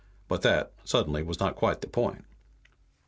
But that, suddenly, was not quite the point.